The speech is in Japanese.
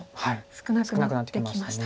少なくなってきました。